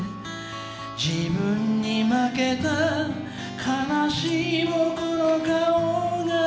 「自分に負けた哀しい僕の貌が」